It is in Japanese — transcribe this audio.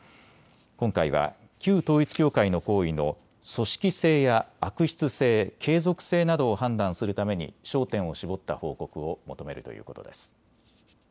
今回は旧統一教会の行為の組織性や悪質性、継続性などを判断するために焦点を絞った報告を求めるということです。